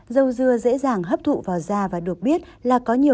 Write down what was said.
dầu dừa dễ dàng hấp thụ vào da và được biết là có nhiễm